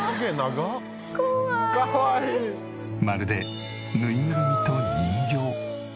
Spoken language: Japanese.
まるでぬいぐるみと人形。